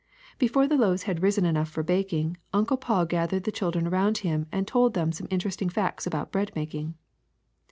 Before the loaves had risen enough for baking. Uncle Paul gathered the children around him and told them some interesting facts about bread making.